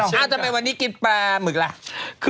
วันนี้อาจจะมีกินปลาหมึกล่ะ